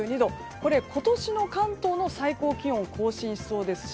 これは、今年の関東の最高気温を更新しそうですし